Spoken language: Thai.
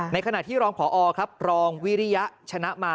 ในขณะที่รองพอครับรองวิริยะชนะมา